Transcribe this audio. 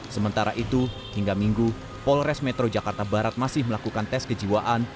sementara itu hingga minggu polres metro jakarta barat masih melakukan tes kejiwaan